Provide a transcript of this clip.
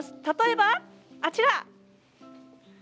例えば、あちら。